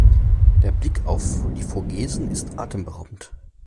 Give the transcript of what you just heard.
Der Blick auf die Vogesen ist atemberaubend.